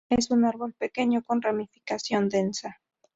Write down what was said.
Es un árbol pequeño con ramificación densa.